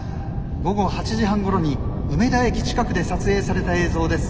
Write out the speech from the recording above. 午後８時半ごろに梅田駅近くで撮影された映像です。